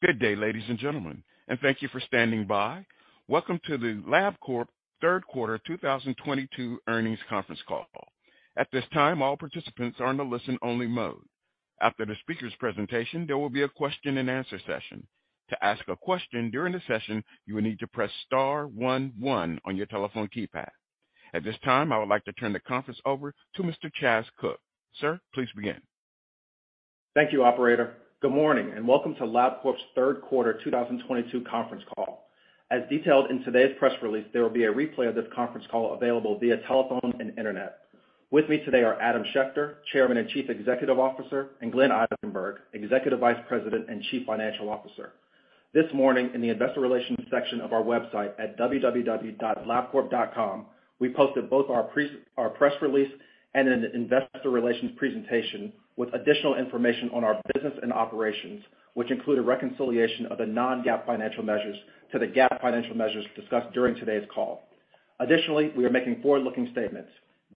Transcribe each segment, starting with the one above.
Good day, ladies and gentlemen, and thank you for standing by. Welcome to the Labcorp Third Quarter 2022 Earnings Conference Call. At this time, all participants are in a listen-only mode. After the speaker's presentation, there will be a question-and-answer session. To ask a question during the session, you will need to press star one one on your telephone keypad. At this time, I would like to turn the conference over to Mr. Chas Cook. Sir, please begin. Thank you, operator. Good morning, and welcome to Labcorp's Third Quarter 2022 Conference Call. As detailed in today's press release, there will be a replay of this conference call available via telephone and internet. With me today are Adam Schechter, Chairman and Chief Executive Officer, and Glenn Eisenberg, Executive Vice President and Chief Financial Officer. This morning, in the investor relations section of our website at www.labcorp.com, we posted both our press release and an investor relations presentation with additional information on our business and operations, which include a reconciliation of the non-GAAP financial measures to the GAAP financial measures discussed during today's call. Additionally, we are making forward-looking statements.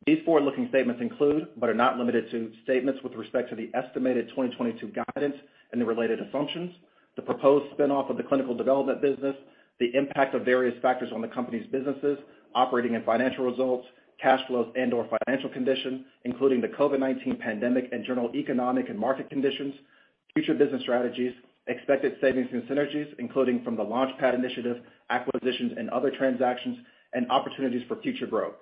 These forward-looking statements include, but are not limited to, statements with respect to the estimated 2022 guidance and the related assumptions, the proposed spin-off of the clinical development business, the impact of various factors on the company's businesses, operating and financial results, cash flows and/or financial conditions, including the COVID-19 pandemic and general economic and market conditions future business strategies, expected savings and synergies, including from the LaunchPad initiative, acquisitions and other transactions, and opportunities for future growth.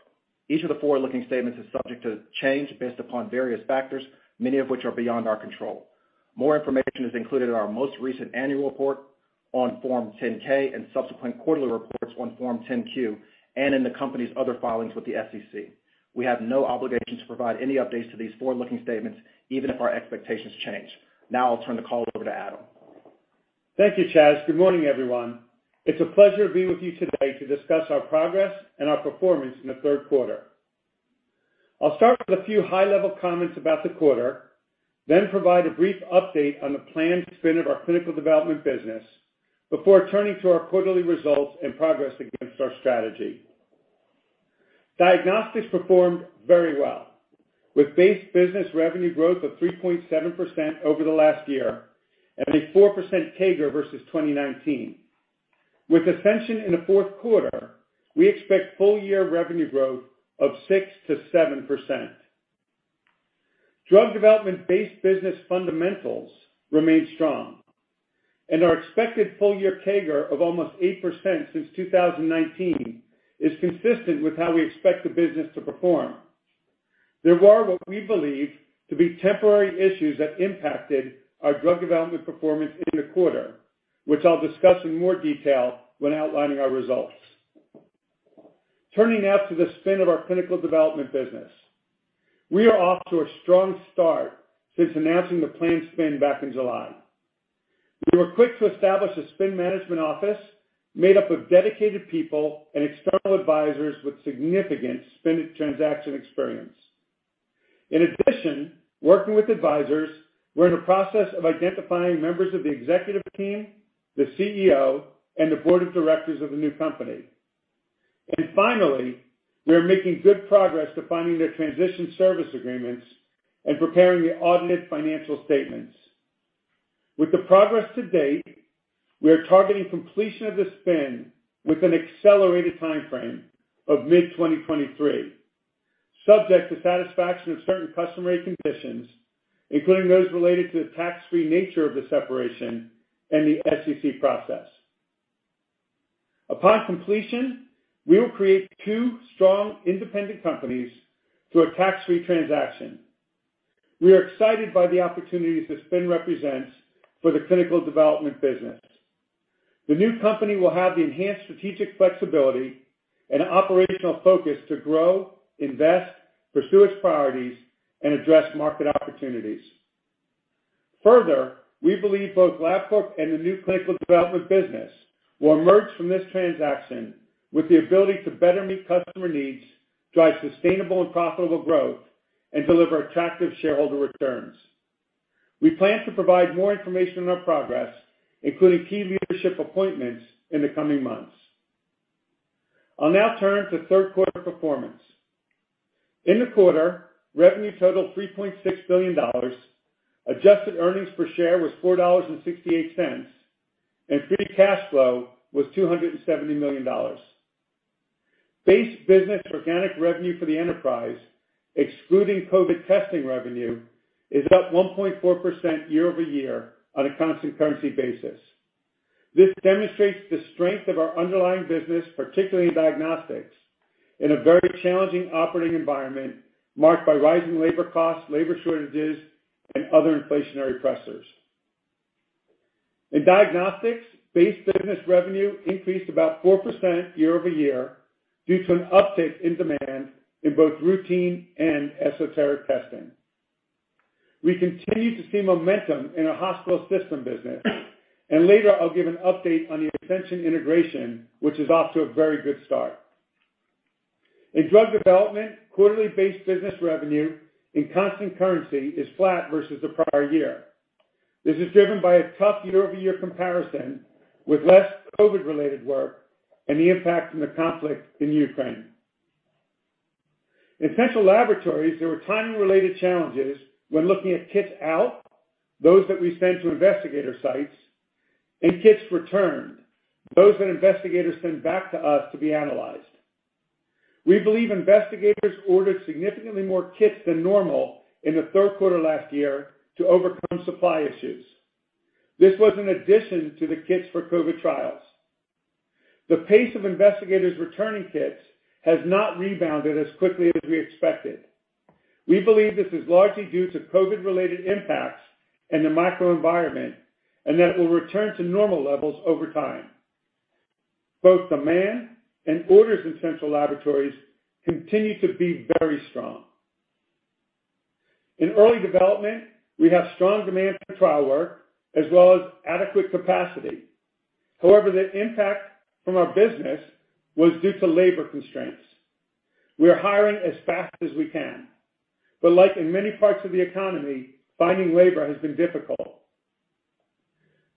Each of the forward-looking statements is subject to change based upon various factors, many of which are beyond our control. More information is included in our most recent annual report on Form 10-K and subsequent quarterly reports on Form 10-Q and in the company's other filings with the SEC. We have no obligation to provide any updates to these forward-looking statements even if our expectations change. Now I'll turn the call over to Adam. Thank you, Chas. Good morning, everyone. It's a pleasure to be with you today to discuss our progress and our performance in the third quarter. I'll start with a few high-level comments about the quarter, then provide a brief update on the planned spin of our clinical development business before turning to our quarterly results and progress against our strategy. Diagnostics performed very well, with base business revenue growth of 3.7% over the last year and a 4% CAGR versus 2019. With Ascension in the fourth quarter, we expect full-year revenue growth of 6%-7%. Drug development base business fundamentals remain strong, and our expected full-year CAGR of almost 8% since 2019 is consistent with how we expect the business to perform. There were what we believe to be temporary issues that impacted our drug development performance in the quarter, which I'll discuss in more detail when outlining our results. Turning now to the spin of our clinical development business. We are off to a strong start since announcing the planned spin back in July. We were quick to establish a spin management office made up of dedicated people and external advisors with significant spin transaction experience. In addition, working with advisors, we're in the process of identifying members of the executive team, the Chief Executive Officer, and the board of directors of the new company. Finally, we are making good progress defining their transition service agreements and preparing the audited financial statements. With the progress to date, we are targeting completion of the spin with an accelerated timeframe of mid-2023, subject to satisfaction of certain customary conditions, including those related to the tax-free nature of the separation and the SEC process. Upon completion, we will create two strong independent companies through a tax-free transaction. We are excited by the opportunities the spin represents for the clinical development business. The new company will have the enhanced strategic flexibility and operational focus to grow, invest, pursue its priorities, and address market opportunities. Further, we believe both Labcorp and the new clinical development business will emerge from this transaction with the ability to better meet customer needs, drive sustainable and profitable growth, and deliver attractive shareholder returns. We plan to provide more information on our progress, including key leadership appointments, in the coming months. I'll now turn to third quarter performance. In the quarter, revenue totaled $3.6 billion, adjusted earnings per share was $4.68, and free cash flow was $270 million. Base business organic revenue for the enterprise, excluding COVID testing revenue, is up 1.4% year-over-year on a constant currency basis. This demonstrates the strength of our underlying business, particularly in diagnostics, in a very challenging operating environment marked by rising labor costs, labor shortages, and other inflationary pressures. In diagnostics, base business revenue increased about 4% year-over-year due to an uptick in demand in both routine and esoteric testing. We continue to see momentum in our hospital system business, and later I'll give an update on the Ascension integration, which is off to a very good start. In drug development, quarterly base business revenue in constant currency is flat versus the prior year. This is driven by a tough year-over-year comparison with less COVID-related work and the impact from the conflict in Ukraine. In central laboratories, there were timing-related challenges when looking at kits out, those that we sent to investigator sites, and kits returned, those that investigators send back to us to be analyzed. We believe investigators ordered significantly more kits than normal in the third quarter last year to overcome supply issues. This was in addition to the kits for COVID trials. The pace of investigators returning kits has not rebounded as quickly as we expected. We believe this is largely due to COVID-related impacts and the macro environment, and that it will return to normal levels over time. Both demand and orders in central laboratories continue to be very strong. In early development, we have strong demand for trial work as well as adequate capacity. However, the impact from our business was due to labor constraints. We are hiring as fast as we can, but like in many parts of the economy, finding labor has been difficult.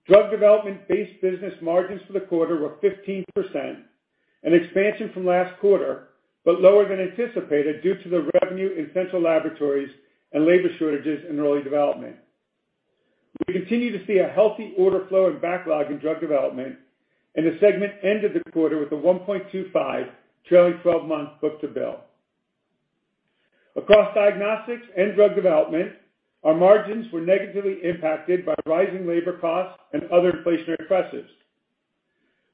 Drug development base business margins for the quarter were 15%, an expansion from last quarter, but lower than anticipated due to the revenue in central laboratories and labor shortages in early development. We continue to see a healthy order flow and backlog in drug development, and the segment ended the quarter with a 1.25 trailing 12 month book to bill. Across diagnostics and drug development, our margins were negatively impacted by rising labor costs and other inflationary pressures.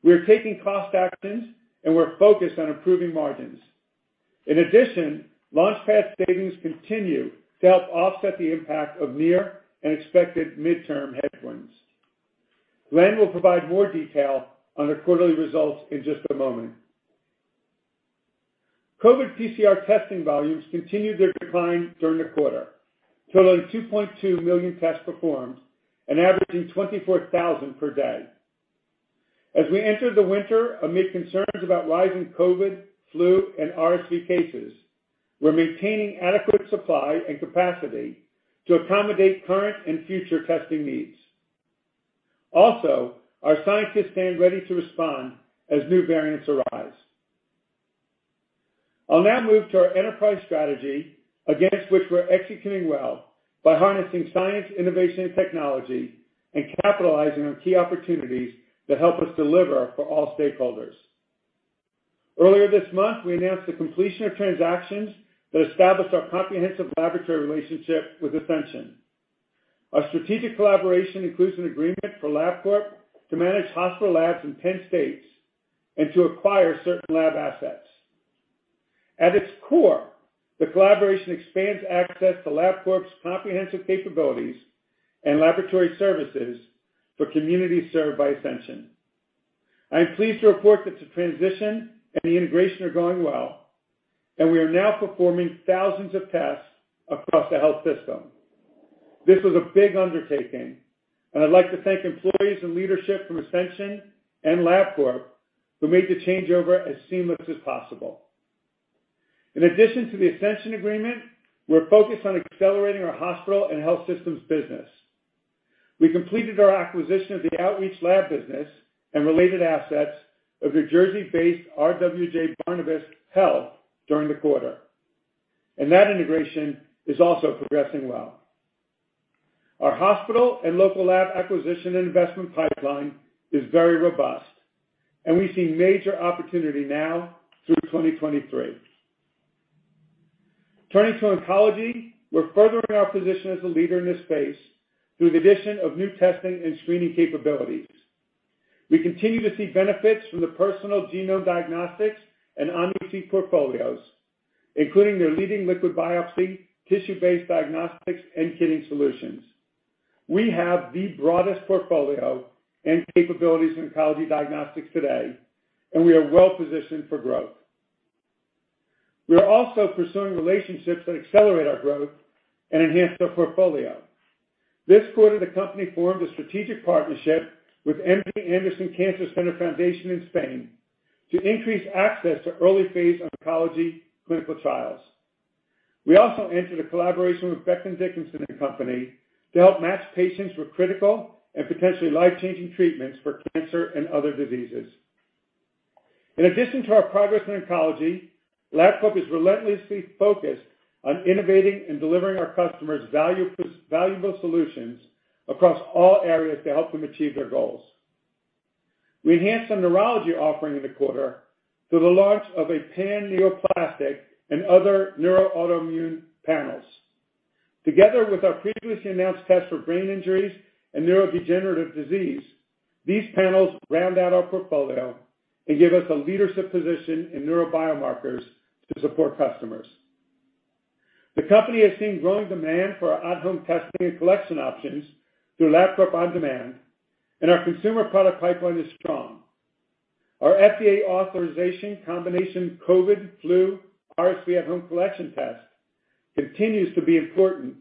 We are taking cost actions, and we're focused on improving margins. In addition, LaunchPad savings continue to help offset the impact of near and expected midterm headwinds. Glenn will provide more detail on the quarterly results in just a moment. COVID PCR testing volumes continued their decline during the quarter, totaling 2.2 million tests performed and averaging 24,000 per day. As we enter the winter amid concerns about rising COVID, flu, and RSV cases, we're maintaining adequate supply and capacity to accommodate current and future testing needs. Also, our scientists stand ready to respond as new variants arise. I'll now move to our enterprise strategy against which we're executing well by harnessing science, innovation, and technology and capitalizing on key opportunities that help us deliver for all stakeholders. Earlier this month, we announced the completion of transactions that established our comprehensive laboratory relationship with Ascension. Our strategic collaboration includes an agreement for Labcorp to manage hospital labs in 10 states and to acquire certain lab assets. At its core, the collaboration expands access to Labcorp's comprehensive capabilities and laboratory services for communities served by Ascension. I am pleased to report that the transition and the integration are going well, and we are now performing thousands of tests across the health system. This was a big undertaking, and I'd like to thank employees and leadership from Ascension and Labcorp who made the changeover as seamless as possible. In addition to the Ascension agreement, we're focused on accelerating our hospital and health systems business. We completed our acquisition of the outreach lab business and related assets of New Jersey-based RWJBarnabas Health during the quarter, and that integration is also progressing well. Our hospital and local lab acquisition and investment pipeline is very robust, and we see major opportunity now through 2023. Turning to oncology, we're furthering our position as a leader in this space through the addition of new testing and screening capabilities. We continue to see benefits from the Personal Genome Diagnostics and OmniSeq portfolios, including their leading liquid biopsy, tissue-based diagnostics, and kitting solutions. We have the broadest portfolio and capabilities in oncology diagnostics today, and we are well-positioned for growth. We are also pursuing relationships that accelerate our growth and enhance our portfolio. This quarter, the company formed a strategic partnership with MD Anderson Cancer Center Madrid to increase access to early-phase oncology clinical trials. We also entered a collaboration with Becton, Dickinson and Company to help match patients with critical and potentially life-changing treatments for cancer and other diseases. In addition to our progress in oncology, Labcorp is relentlessly focused on innovating and delivering our customers value, valuable solutions across all areas to help them achieve their goals. We enhanced our neurology offering in the quarter through the launch of a paraneoplastic and other neuro-autoimmune panels. Together with our previously announced tests for brain injuries and neurodegenerative disease, these panels round out our portfolio and give us a leadership position in neuro biomarkers to support customers. The company has seen growing demand for our at-home testing and collection options through Labcorp OnDemand, and our consumer product pipeline is strong. Our FDA-authorized combination COVID, flu, RSV at-home collection test continues to be important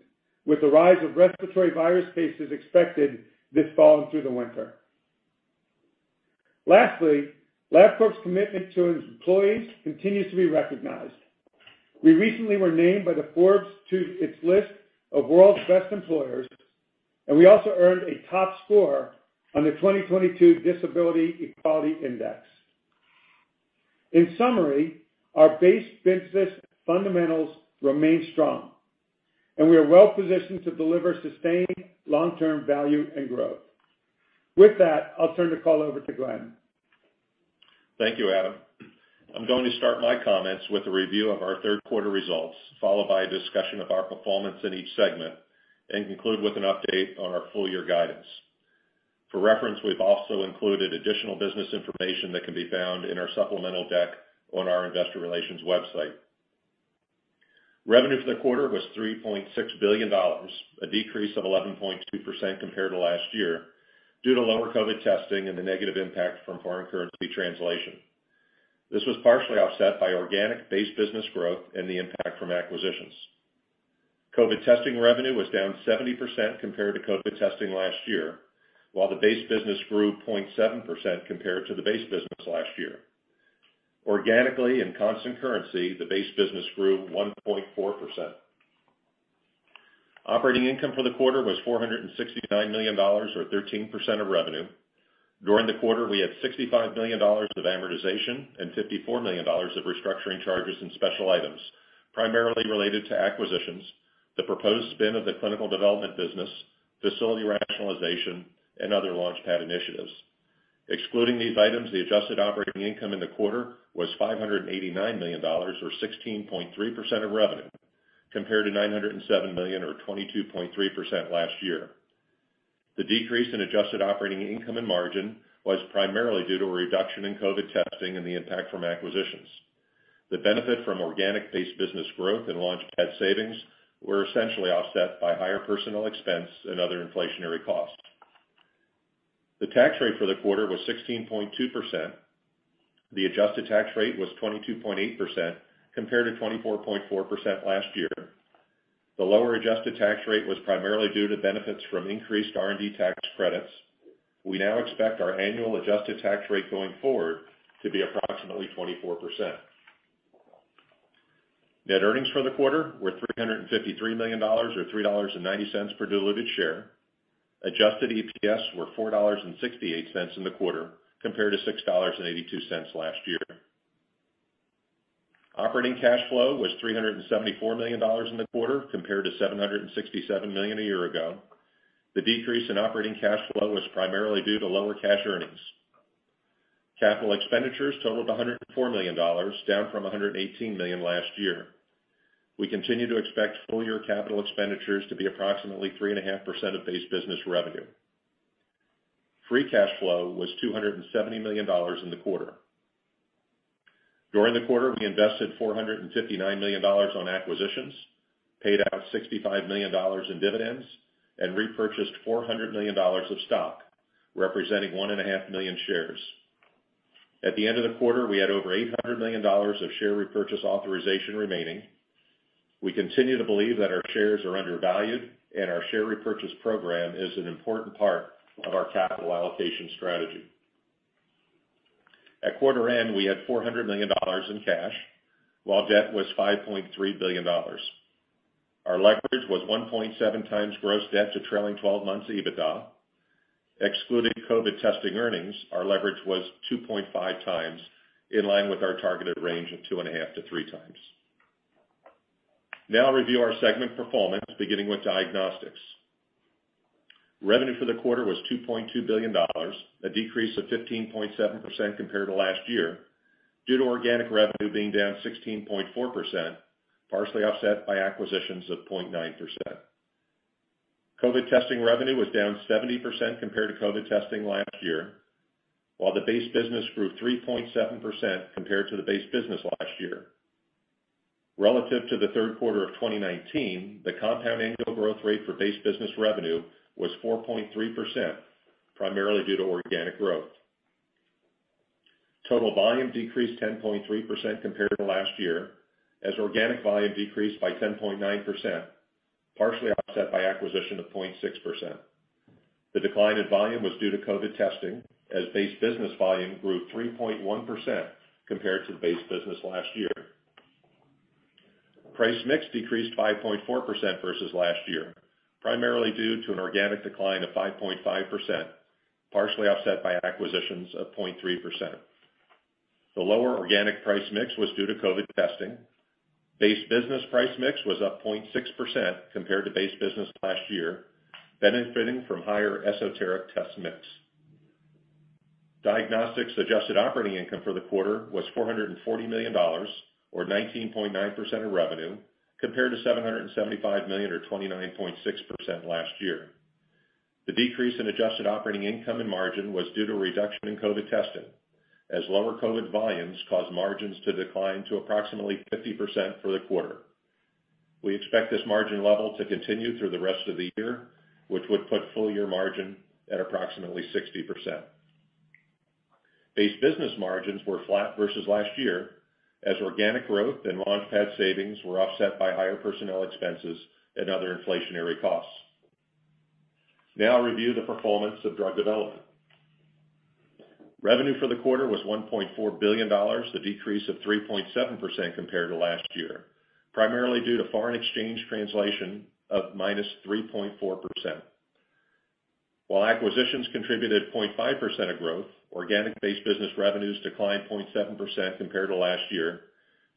with the rise of respiratory virus cases expected this fall through the winter. Lastly, Labcorp's commitment to its employees continues to be recognized. We recently were named by the Forbes to its list of World's Best Employers. We also earned a top score on the 2022 Disability Equality Index. In summary, our base business fundamentals remain strong, and we are well-positioned to deliver sustained long-term value and growth. With that, I'll turn the call over to Glenn. Thank you, Adam. I'm going to start my comments with a review of our third quarter results, followed by a discussion of our performance in each segment, and conclude with an update on our full year guidance. For reference, we've also included additional business information that can be found in our supplemental deck on our investor relations website. Revenue for the quarter was $3.6 billion, a decrease of 11.2% compared to last year due to lower COVID testing and the negative impact from foreign currency translation. This was partially offset by organic base business growth and the impact from acquisitions. COVID testing revenue was down 70% compared to COVID testing last year, while the base business grew 0.7% compared to the base business last year. Organically, in constant currency, the base business grew 1.4%. Operating income for the quarter was $469 million, or 13% of revenue. During the quarter, we had $65 million of amortization and $54 million of restructuring charges and special items, primarily related to acquisitions, the proposed spin of the clinical development business, facility rationalization, and other LaunchPad initiatives. Excluding these items the adjusted operating income in the quarter was $589 million or 16.3% of revenue compared to $907 million or 22.3% last year. The decrease in adjusted operating income and margin was primarily due to a reduction in COVID testing and the impact from acquisitions. The benefit from organic base business growth and LaunchPad savings were essentially offset by higher personnel expense and other inflationary costs. The tax rate for the quarter was 16.2%. The adjusted tax rate was 22.8% compared to 24.4% last year. The lower adjusted tax rate was primarily due to benefits from increased R&D tax credits. We now expect our annual adjusted tax rate going forward to be approximately 24%. Net earnings for the quarter were $353 million or $3.90 per diluted share. Adjusted EPS were $4.68 in the quarter, compared to $6.82 last year. Operating cash flow was $374 million in the quarter, compared to $767 million a year ago. The decrease in operating cash flow was primarily due to lower cash earnings. Capital expenditures totaled $104 million, down from $118 million last year. We continue to expect full year capital expenditures to be approximately 3.5% of base business revenue. Free cash flow was $270 million in the quarter. During the quarter, we invested $459 million on acquisitions, paid out $65 million in dividends, and repurchased $400 million of stock, representing 1.5 million shares. At the end of the quarter, we had over $800 million of share repurchase authorization remaining. We continue to believe that our shares are undervalued, and our share repurchase program is an important part of our capital allocation strategy. At quarter end, we had $400 million in cash, while debt was $5.3 billion. Our leverage was 1.7x gross debt to trailing 12 months EBITDA. Excluding COVID testing earnings, our leverage was 2.5x, in line with our targeted range of 2.5x-3x. Now I'll review our segment performance, beginning with diagnostics. Revenue for the quarter was $2.2 billion, a decrease of 15.7% compared to last year due to organic revenue being down 16.4%, partially offset by acquisitions of 0.9%. COVID testing revenue was down 70% compared to COVID testing last year, while the base business grew 3.7% compared to the base business last year. Relative to the third quarter of 2019, the compound annual growth rate for base business revenue was 4.3%, primarily due to organic growth. Total volume decreased 10.3% compared to last year, as organic volume decreased by 10.9%, partially offset by acquisition of 0.6%. The decline in volume was due to COVID testing, as base business volume grew 3.1% compared to the base business last year. Price mix decreased 5.4% versus last year, primarily due to an organic decline of 5.5%, partially offset by acquisitions of 0.3%. The lower organic price mix was due to COVID testing. Base business price mix was up 0.6% compared to base business last year, benefiting from higher esoteric test mix. Diagnostics adjusted operating income for the quarter was $440 million or 19.9% of revenue, compared to $775 million or 29.6% last year. The decrease in adjusted operating income and margin was due to a reduction in COVID testing, as lower COVID volumes caused margins to decline to approximately 50% for the quarter. We expect this margin level to continue through the rest of the year, which would put full-year margin at approximately 60%. Base business margins were flat versus last year as organic growth and LaunchPad savings were offset by higher personnel expenses and other inflationary costs. Now I'll review the performance of drug development. Revenue for the quarter was $1.4 billion, a decrease of 3.7% compared to last year, primarily due to foreign exchange translation of -3.4%. While acquisitions contributed 0.5% of growth, organic-based business revenues declined 0.7% compared to last year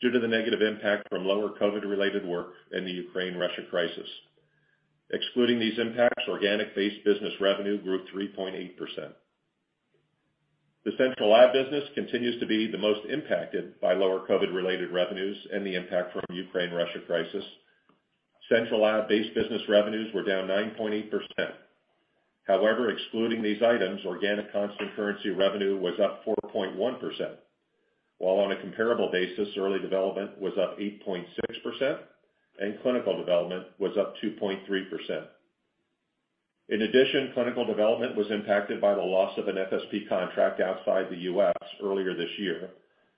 due to the negative impact from lower COVID-related work and the Ukraine-Russia crisis. Excluding these impacts, organic-based business revenue grew 3.8%. The central lab business continues to be the most impacted by lower COVID-related revenues and the impact from Ukraine-Russia crisis. Central lab-based business revenues were down 9.8%. However, excluding these items, organic constant currency revenue was up 4.1%, while on a comparable basis, early development was up 8.6% and clinical development was up 2.3%. In addition, clinical development was impacted by the loss of an FSP contract outside the U.S., earlier this year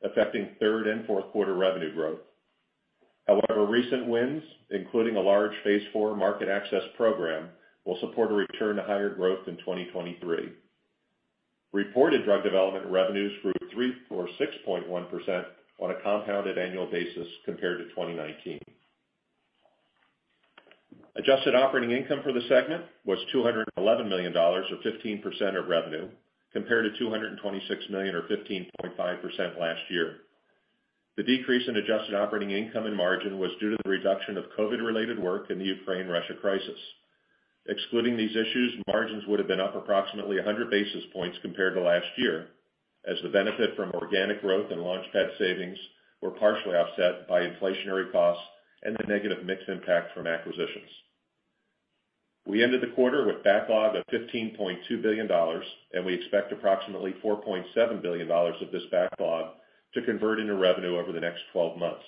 affecting third and fourth quarter revenue growth. However, recent wins including a large phase IV market access program, will support a return to higher growth in 2023. Reported drug development revenues grew 3.6% on a compounded annual basis compared to 2019. Adjusted operating income for the segment was $211 million or 15% of revenue, compared to $226 million or 15.5% last year. The decrease in adjusted operating income and margin was due to the reduction of COVID-related work in the Ukraine-Russia crisis. Excluding these issues, margins would have been up approximately 100 basis points compared to last year, as the benefit from organic growth and LaunchPad savings were partially offset by inflationary costs and the negative mix impact from acquisitions. We ended the quarter with backlog of $15.2 billion, and we expect approximately $4.7 billion of this backlog to convert into revenue over the next 12 months.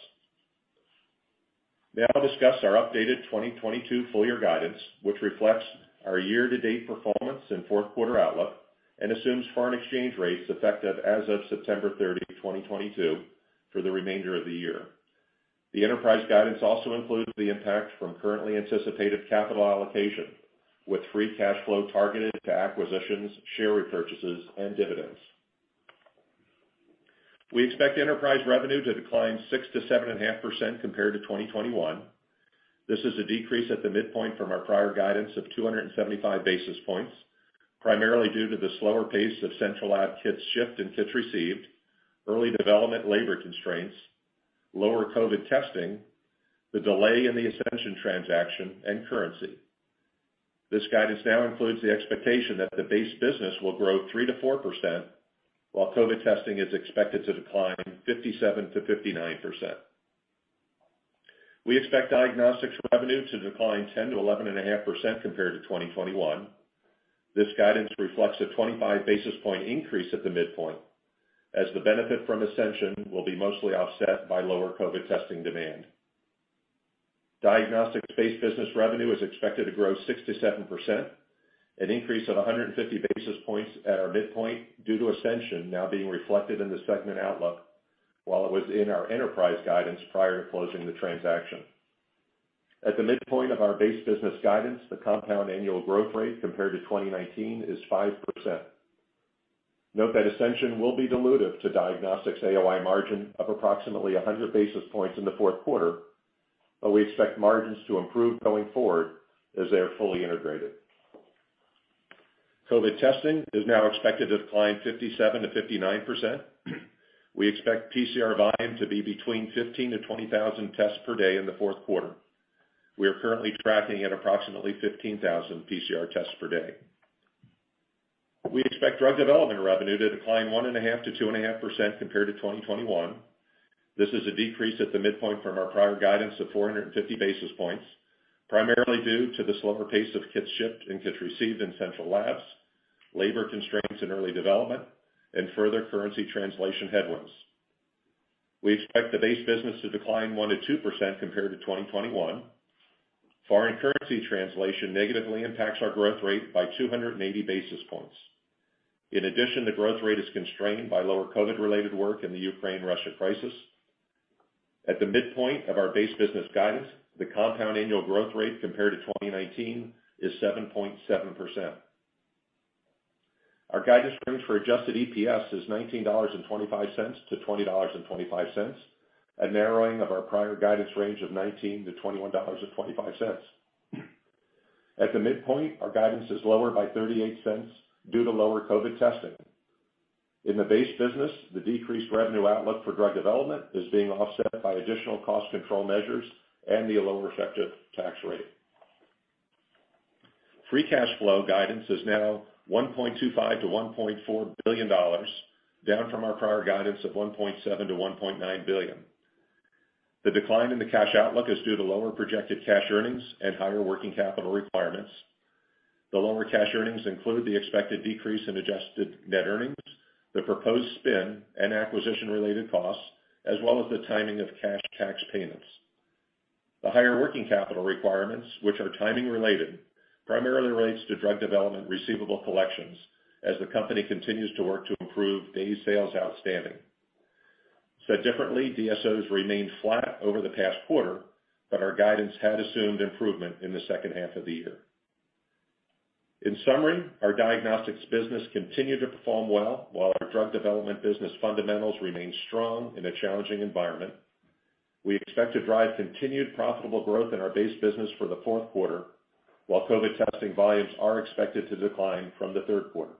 Now I'll discuss our updated 2022 full year guidance, which reflects our year-to-date performance and fourth quarter outlook and assumes foreign exchange rates effective as of September 30, 2022, for the remainder of the year. The enterprise guidance also includes the impact from currently anticipated capital allocation, with free cash flow targeted to acquisitions, share repurchases, and dividends. We expect enterprise revenue to decline 6%-7.5% compared to 2021. This is a decrease at the midpoint from our prior guidance of 275 basis points, primarily due to the slower pace of central lab kits shipped and kits received, early development labor constraints, lower COVID testing, the delay in the Ascension transaction, and currency. This guidance now includes the expectation that the base business will grow 3%-4%, while COVID testing is expected to decline 57%-59%. We expect diagnostics revenue to decline 10%-11.5% compared to 2021. This guidance reflects a 25 basis points increase at the midpoint as the benefit from Ascension will be mostly offset by lower COVID testing demand. Diagnostics-based business revenue is expected to grow 6%-7%, an increase of 150 basis points at our midpoint due to Ascension now being reflected in the segment outlook while it was in our enterprise guidance prior to closing the transaction. At the midpoint of our base business guidance, the compound annual growth rate compared to 2019 is 5%. Note that Ascension will be dilutive to diagnostics AOI margin of approximately 100 basis points in the fourth quarter, but we expect margins to improve going forward as they are fully integrated. COVID testing is now expected to decline 57%-59%. We expect PCR volume to be between 15,000-20,000 tests per day in the fourth quarter. We are currently tracking at approximately 15,000 PCR tests per day. We expect drug development revenue to decline 1.5%-2.5% compared to 2021. This is a decrease at the midpoint from our prior guidance of 450 basis points, primarily due to the slower pace of kits shipped and kits received in central labs, labor constraints in early development, and further currency translation headwinds. We expect the base business to decline 1%-2% compared to 2021. Foreign currency translation negatively impacts our growth rate by 280 basis points. In addition, the growth rate is constrained by lower COVID-related work in the Ukraine-Russia crisis. At the midpoint of our base business guidance, the compound annual growth rate compared to 2019 is 7.7%. Our guidance range for adjusted EPS is $19.25-$20.25, a narrowing of our prior guidance range of $19-$21.25. At the midpoint, our guidance is lower by $0.38 due to lower COVID testing. In the base business, the decreased revenue outlook for drug development is being offset by additional cost control measures and the lower effective tax rate. Free cash flow guidance is now $1.25 billion-$1.4 billion, down from our prior guidance of $1.7 billion-$1.9 billion. The decline in the cash outlook is due to lower projected cash earnings and higher working capital requirements. The lower cash earnings include the expected decrease in adjusted net earnings, the proposed spin and acquisition-related costs, as well as the timing of cash tax payments. The higher working capital requirements, which are timing related, primarily relates to drug development receivable collections as the company continues to work to improve Days Sales Outstanding. Said differently, DSOs remained flat over the past quarter, but our guidance had assumed improvement in the second half of the year. In summary, our diagnostics business continued to perform well while our drug development business fundamentals remained strong in a challenging environment. We expect to drive continued profitable growth in our base business for the fourth quarter, while COVID testing volumes are expected to decline from the third quarter.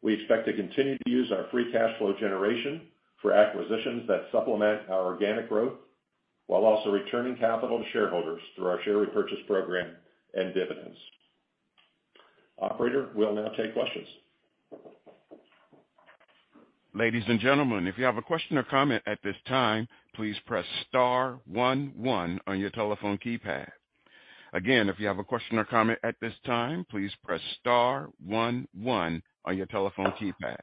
We expect to continue to use our free cash flow generation for acquisitions that supplement our organic growth while also returning capital to shareholders through our share repurchase program and dividends. Operator, we'll now take questions. Ladies and gentlemen, if you have a question or comment at this time, please press star one one on your telephone keypad. Again, if you have a question or comment at this time, please press star one one on your telephone keypad.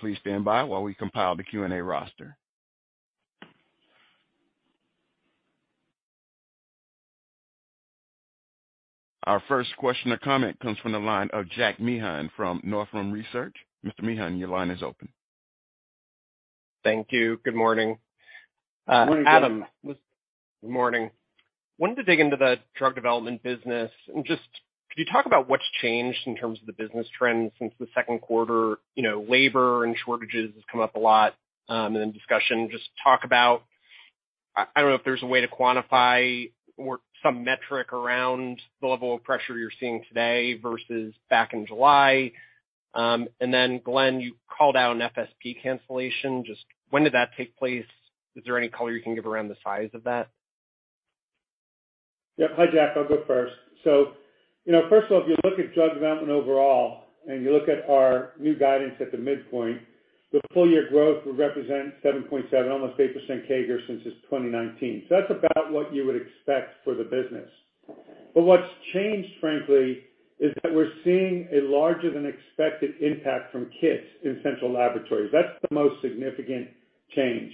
Please stand by while we compile the Q&A roster. Our first question or comment comes from the line of Jack Meehan from Nephron Research. Mr. Meehan, your line is open. Thank you. Good morning. Good morning. Adam. Good morning. Wanted to dig into the drug development business and just could you talk about what's changed in terms of the business trends since the second quarter? You know labor and shortages has come up a lot in the discussion. Just talk about. I don't know if there's a way to quantify or some metric around the level of pressure you're seeing today versus back in July. Glenn, you called out an FSP cancellation. Just when did that take place? Is there any color you can give around the size of that? Yep Hi, Jack I'll go first. You know first of all if you look at drug development overall, and you look at our new guidance at the midpoint, the full year growth would represent 7.7, almost 8% CAGR since just 2019. That's about what you would expect for the business. What's changed, frankly, is that we're seeing a larger than expected impact from kits in central laboratories. That's the most significant change.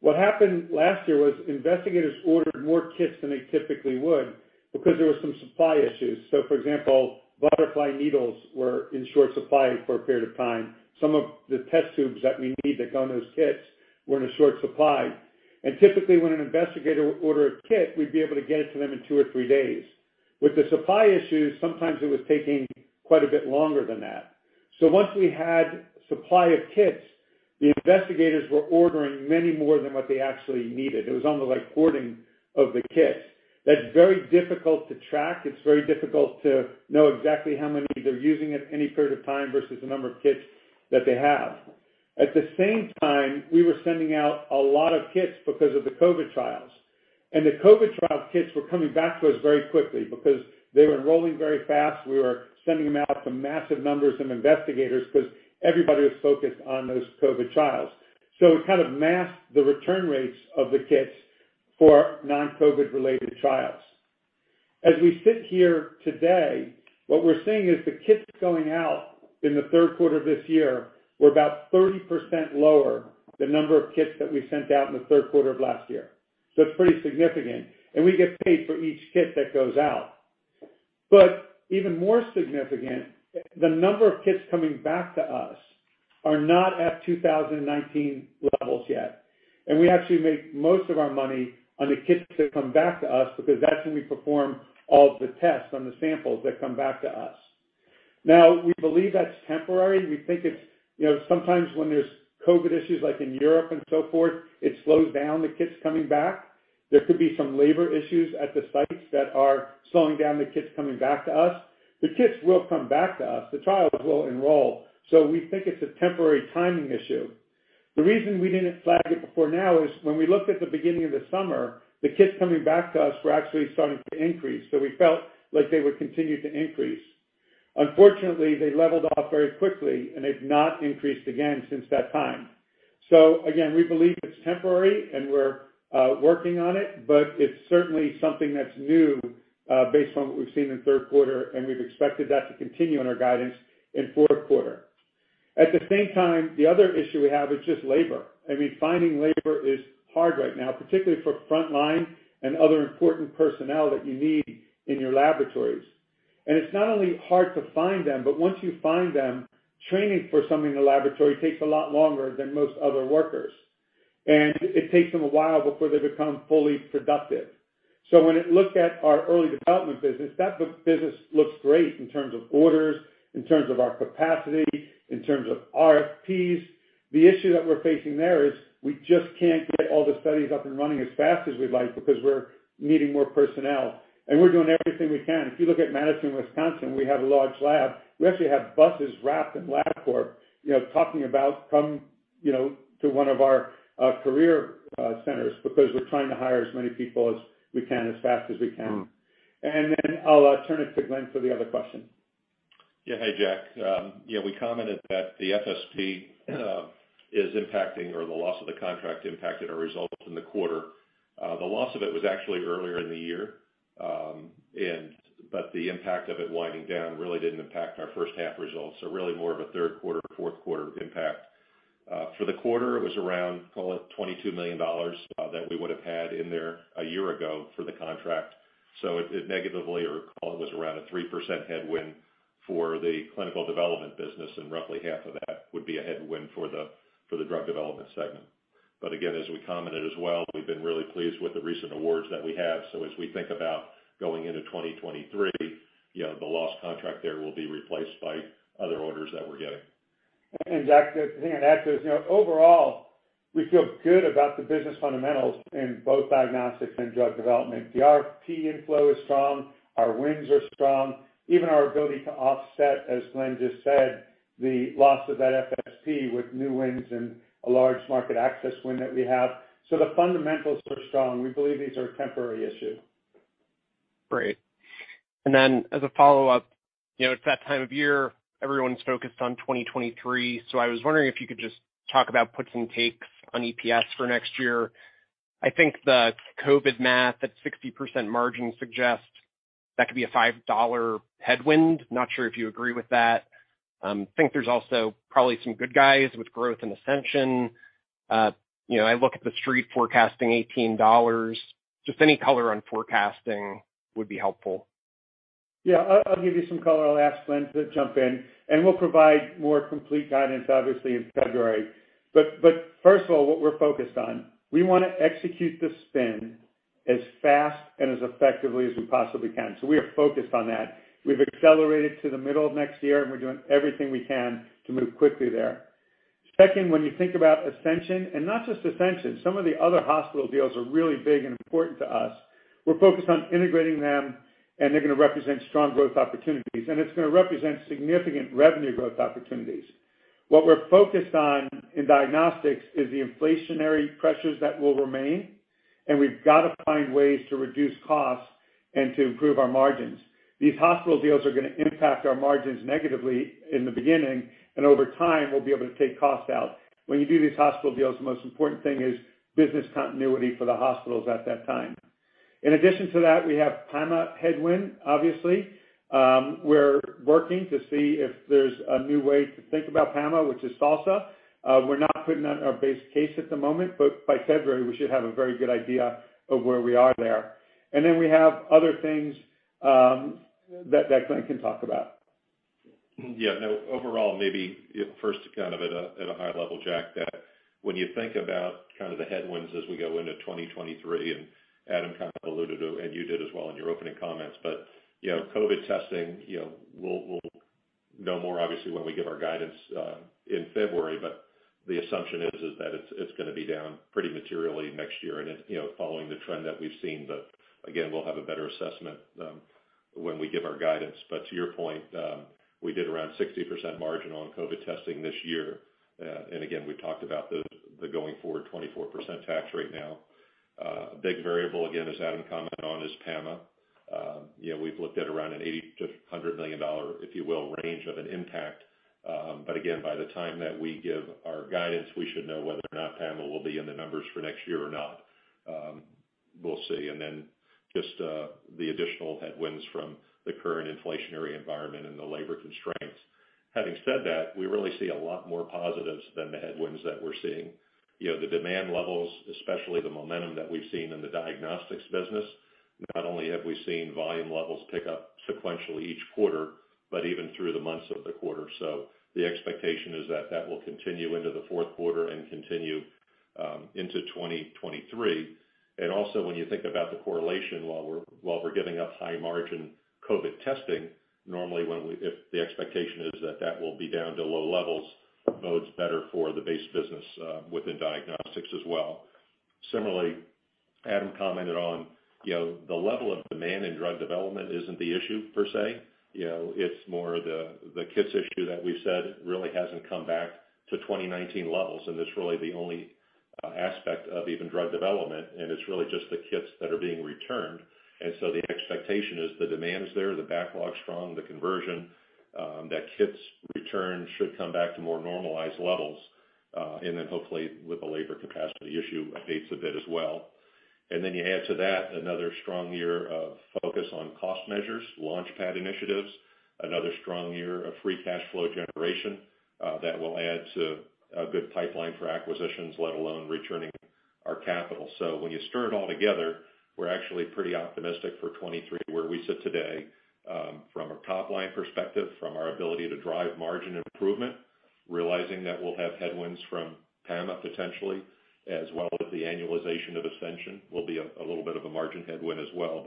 What happened last year was investigators ordered more kits than they typically would because there were some supply issues. For example, butterfly needles were in short supply for a period of time. Some of the test tubes that we need that go on those kits were in a short supply. Typically, when an investigator would order a kit, we'd be able to get it to them in two or three days. With the supply issues, sometimes it was taking quite a bit longer than that. Once we had supply of kits, the investigators were ordering many more than what they actually needed. It was almost like hoarding of the kits. That's very difficult to track. It's very difficult to know exactly how many they're using at any period of time versus the number of kits that they have. At the same time we were sending out a lot of kits because of the COVID trials. The COVID trial kits were coming back to us very quickly because they were enrolling very fast. We were sending them out to massive numbers of investigators because everybody was focused on those COVID trials. It kind of masked the return rates of the kits for non-COVID related trials. As we sit here today, what we're seeing is the kits going out in the third quarter of this year were about 30% lower the number of kits that we sent out in the third quarter of last year. It's pretty significant, and we get paid for each kit that goes out. Even more significant, the number of kits coming back to us are not at 2019 levels yet. We actually make most of our money on the kits that come back to us because that's when we perform all the tests on the samples that come back to us. Now we believe that's temporary. We think it's you know sometimes when there's COVID issues like in Europe and so forth, it slows down the kits coming back. There could be some labor issues at the sites that are slowing down the kits coming back to us. The kits will come back to us, the trials will enroll, so we think it's a temporary timing issue. The reason we didn't flag it before now is when we looked at the beginning of the summer, the kits coming back to us were actually starting to increase, so we felt like they would continue to increase. Unfortunately, they leveled off very quickly, and they've not increased again since that time. Again, we believe it's temporary, and we're working on it, but it's certainly something that's new based on what we've seen in third quarter, and we've expected that to continue in our guidance in fourth quarter. At the same time, the other issue we have is just labor. I mean finding labor is hard right now, particularly for frontline and other important personnel that you need in your laboratories. It's not only hard to find them, but once you find them, training for something in the laboratory takes a lot longer than most other workers. It takes them a while before they become fully productive. When it looked at our early development business, that business looks great in terms of orders in terms of our capacity in terms of RFPs. The issue that we're facing there is we just can't get all the studies up and running as fast as we'd like because we're needing more personnel. We're doing everything we can. If you look at Madison, Wisconsin, we have a large lab. We actually have buses wrapped in Labcorp, you know, talking about come, you know, to one of our career centers because we're trying to hire as many people as we can as fast as we can. Then I'll turn it to Glenn for the other question. Yeah Hey, Jack. Yeah we commented that the FSP is impacting or the loss of the contract impacted our results in the quarter. The loss of it was actually earlier in the year, but the impact of it winding down really didn't impact our first half results. Really more of a third quarter, fourth quarter impact. For the quarter, it was around call it $22 million that we would have had in there a year ago for the contract. It negatively, I recall it was around a 3% headwind for the clinical development business, and roughly half of that would be a headwind for the drug development segment. Again as we commented as well, we've been really pleased with the recent awards that we have. As we think about going into 2023, you know, the lost contract there will be replaced by other orders that we're getting. Jack, the thing I'd add to is you know overall we feel good about the business fundamentals in both diagnostics and drug development. The RFP inflow is strong, our wins are strong, even our ability to offset, as Glenn just said, the loss of that FSP with new wins and a large market access win that we have. The fundamentals are strong. We believe these are a temporary issue. Great. As a follow-up you know it's that time of year, everyone's focused on 2023. I was wondering if you could just talk about puts and takes on EPS for next year. I think the COVID math at 60% margin suggests that could be a $5 headwind. Not sure if you agree with that. Think there's also probably some upsides with growth in Ascension. You know I look at the street forecasting $18. Just any color on forecasting would be helpful. Yeah. I'll give you some color. I'll ask Glenn to jump in, and we'll provide more complete guidance, obviously, in February. First of all, what we're focused on, we wanna execute the spin as fast and as effectively as we possibly can. We are focused on that. We've accelerated to the middle of next year, and we're doing everything we can to move quickly there. Second, when you think about Ascension, and not just Ascension, some of the other hospital deals are really big and important to us. We're focused on integrating them, and they're gonna represent strong growth opportunities, and it's gonna represent significant revenue growth opportunities. What we're focused on in diagnostics is the inflationary pressures that will remain, and we've got to find ways to reduce costs and to improve our margins. These hospital deals are gonna impact our margins negatively in the beginning, and over time, we'll be able to take costs out. When you do these hospital deals, the most important thing is business continuity for the hospitals at that time. In addition to that, we have PAMA headwind, obviously. We're working to see if there's a new way to think about PAMA, which is SALSA. We're not putting that in our base case at the moment, but by February, we should have a very good idea of where we are there. We have other things that Glenn can talk about. Yeah. No. Overall, maybe first kind of at a high level Jack, that when you think about kind of the headwinds as we go into 2023, and Adam kind of alluded to, and you did as well in your opening comments. You know COVID testing you know we'll know more obviously when we give our guidance in February, but the assumption is that it's gonna be down pretty materially next year. It's you know, following the trend that we've seen. Again, we'll have a better assessment when we give our guidance. To your point we did around 60% margin on COVID testing this year. And again, we've talked about the going forward 24% tax rate now. A big variable, again, as Adam commented on, is PAMA. You know, we've looked at around a $80 million-$100 million, if you will, range of an impact. But again, by the time that we give our guidance, we should know whether or not PAMA will be in the numbers for next year or not. We'll see. Then just the additional headwinds from the current inflationary environment and the labor constraints. Having said that we really see a lot more positives than the headwinds that we're seeing. You know the demand levels, especially the momentum that we've seen in the diagnostics business, not only have we seen volume levels pick up sequentially each quarter, but even through the months of the quarter. The expectation is that that will continue into the fourth quarter and continue into 2023. When you think about the correlation while we're giving up high margin COVID testing, normally if the expectation is that will be down to low levels, bodes better for the base business within diagnostics as well. Similarly, Adam commented on you know the level of demand in drug development isn't the issue per se. You know, it's more the kits issue that we said really hasn't come back to 2019 levels, and it's really the only aspect of even drug development, and it's really just the kits that are being returned. The expectation is the demand is there the backlog's strong, the conversion that kits return should come back to more normalized levels, and then hopefully with the labor capacity issue abates a bit as well. You add to that another strong year of focus on cost measures, LaunchPad initiatives, another strong year of free cash flow generation, that will add to a good pipeline for acquisitions, let alone returning our capital. When you stir it all together, we're actually pretty optimistic for 2023 where we sit today, from a top line perspective from our ability to drive margin improvement, realizing that we'll have headwinds from PAMA potentially, as well as the annualization of Ascension will be a little bit of a margin headwind as well.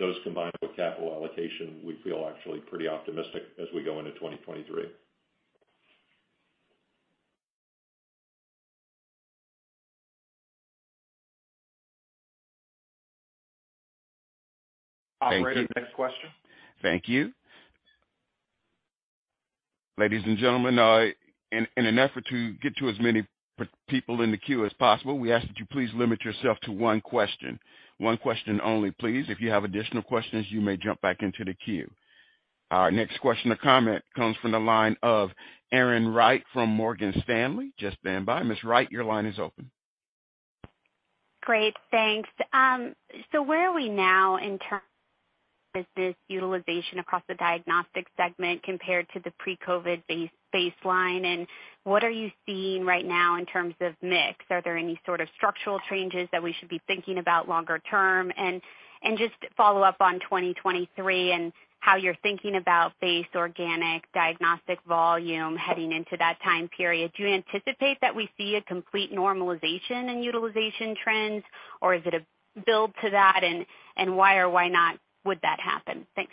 Those combined with capital allocation, we feel actually pretty optimistic as we go into 2023. Operator, next question. Thank you. Ladies and gentlemen, in an effort to get to as many people in the queue as possible, we ask that you please limit yourself to one question. One question only, please. If you have additional questions, you may jump back into the queue. Our next question or comment comes from the line of Erin Wright from Morgan Stanley. Just stand by. Ms. Wright, your line is open. Great, thanks. Where are we now in terms. Is this utilization across the diagnostic segment compared to the pre-COVID baseline? What are you seeing right now in terms of mix? Are there any sort of structural changes that we should be thinking about longer term? Just follow up on 2023 and how you're thinking about base organic diagnostic volume heading into that time period. Do you anticipate that we see a complete normalization in utilization trends? Is it a build to that? Why or why not would that happen? Thanks.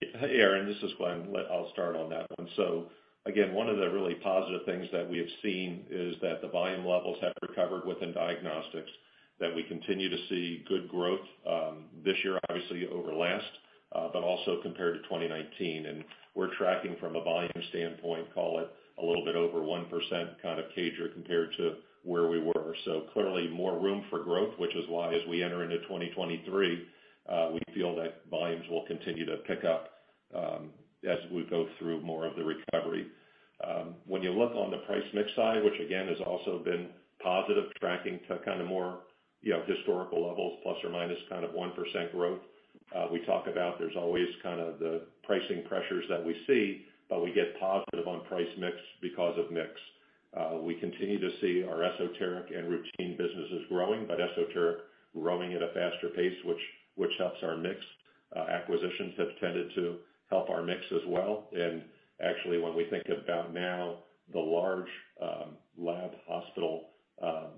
Hey, Erin, this is Glenn. I'll start on that one. Again, one of the really positive things that we have seen is that the volume levels have recovered within diagnostics, that we continue to see good growth, this year, obviously over last, but also compared to 2019. We're tracking from a volume standpoint call it a little bit over 1% kind of CAGR compared to where we were. Clearly more room for growth, which is why as we enter into 2023, we feel that volumes will continue to pick up, as we go through more of the recovery. When you look on the price mix side, which again has also been positive tracking to kind of more, you know historical levels, plus or minus kind of 1% growth. We talk about there's always kind of the pricing pressures that we see, but we get positive on price mix because of mix. We continue to see our esoteric and routine businesses growing, but esoteric growing at a faster pace, which helps our mix. Acquisitions have tended to help our mix as well. Actually, when we think about now the large lab hospital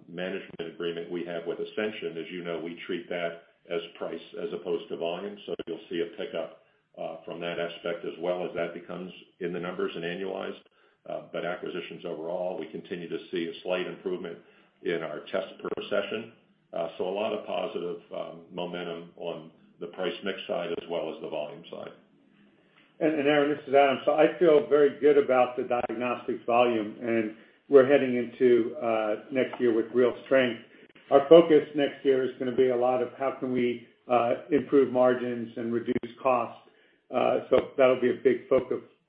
management agreement we have with Ascension, as you know, we treat that as price as opposed to volume. You'll see a pickup from that aspect as well as that becomes in the numbers and annualized. Acquisitions overall, we continue to see a slight improvement in our tests per session. A lot of positive momentum on the price mix side as well as the volume side. Erin, this is Adam. I feel very good about the diagnostics volume, and we're heading into next year with real strength. Our focus next year is gonna be a lot of how can we improve margins and reduce costs. That'll be a big